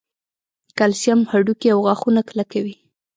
کلسیم هډوکي او غاښونه کلکوي